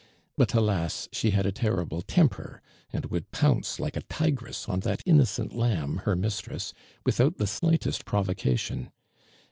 But, nl;<s ! she had a terrible temper, and would pounce like a tigress on that innocent lamb, her mis tress, without tho slightest ])rovocjition.